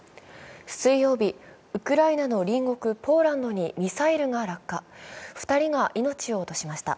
水曜日、ウクライナの隣国ポーランドにミサイルが落下、２人が命を落としました。